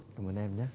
cảm ơn em nhé